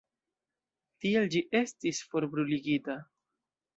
Tial ĝi estis forbruligita.